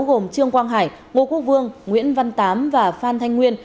gồm trương quang hải ngô quốc vương nguyễn văn tám và phan thanh nguyên